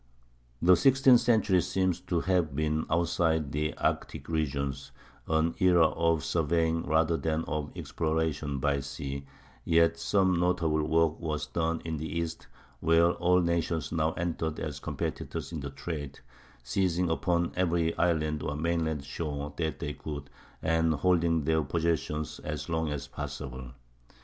] The sixteenth century seems to have been, outside of the Arctic regions, an era of surveying rather than of exploration by sea, yet some notable work was done in the East, where all nations now entered as competitors in the trade, seizing upon every island or mainland shore that they could, and holding their possessions as long as possible.